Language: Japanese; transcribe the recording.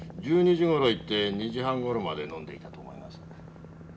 １２時ごろ行って２時半ごろまで飲んでいたと思います。